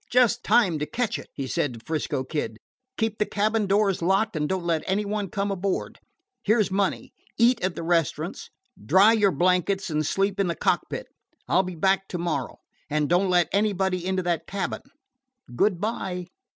"Just time to catch it," he said to 'Frisco Kid. "Keep the cabin doors locked, and don't let anybody come aboard. Here 's money. Eat at the restaurants. Dry your blankets and sleep in the cockpit. I 'll be back to morrow. And don't let anybody into that cabin. Good by."